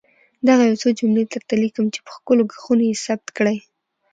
دغه يو څو جملې درته ليکم چي په ښکلي ږغونو يې ثبت کړئ.